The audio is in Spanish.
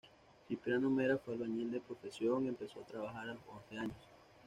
Cipriano Mera fue albañil de profesión, empezó a trabajar a los once años.